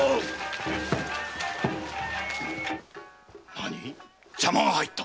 なに？邪魔が入った？